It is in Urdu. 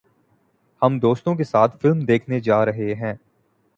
ہم دوستوں کے ساتھ فلم دیکھنے جا رہے ہیں